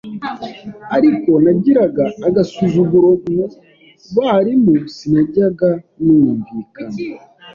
ariko nagiraga agasuzuguro mu barimu sinajyaga numvikana